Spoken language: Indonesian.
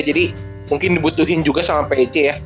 jadi mungkin dibutuhin juga sama pc ya